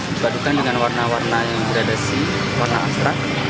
dibadukan dengan warna warna yang beradasi warna abstrak